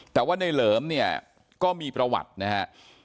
แต่ว่าในเหลิมเนี่ยก็มีประวัตินะฮะ